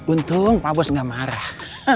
untung pak bos gak marah